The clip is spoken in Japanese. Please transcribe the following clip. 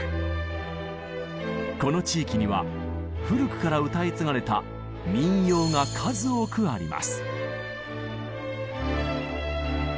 この地域には古くから歌い継がれた民謡が数多くあります。